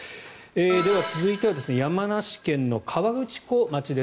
では続いては山梨県の河口湖町です。